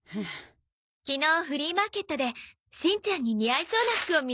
昨日フリーマーケットでしんちゃんに似合いそうな服を見つけたんです。